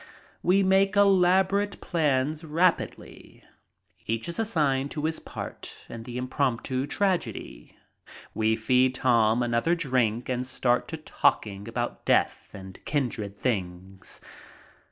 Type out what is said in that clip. We make elaborate plans rapidly. Each is assigned to his part in the impromptu tragedy. We feed Tom another drink and start to talking about death and kindred things.